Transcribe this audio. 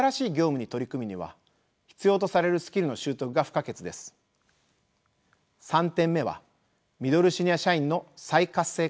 ３点目はミドルシニア社員の再活性化です。